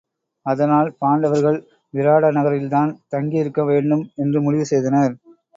அதனால் பாண்டவர்கள் விராட நகரில்தான் தங்கி இருக்க வேண்டும் என்று முடிவு செய்தனர்.